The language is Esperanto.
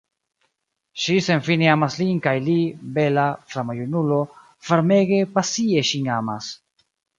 Ŝi senfine amas lin kaj li, bela, flama junulo, varmege, pasie ŝin amas.